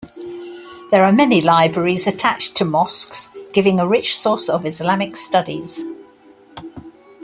There are many libraries attached to mosques giving a rich source of Islamic studies.